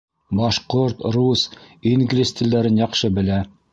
Башҡорт, рус, инглиз телдәрен яҡшы белә.